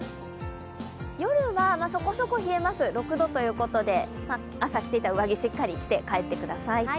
夜はそこそこ冷えます、６度ということで朝着ていた上着、しっかり着て帰ってください。